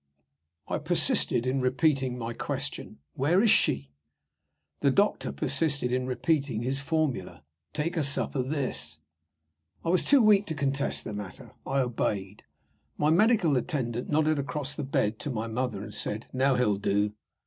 I persisted in repeating my question: "Where is she?" The doctor persisted in repeating his formula: "Take a sup of this." I was too weak to contest the matter; I obeyed. My medical attendant nodded across the bed to my mother, and said, "Now, he'll do."